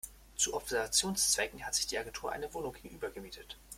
Zu Observationszwecken hat sich die Agentur eine Wohnung gegenüber gemietet.